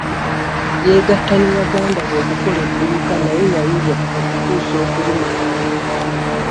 Yeegatta ne baganda be ne bakola edduuka naye yalirya okutuusa okulimalawo.